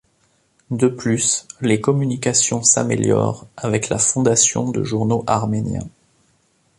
De plus, les communications s'améliorent avec la fondation de journaux arméniens.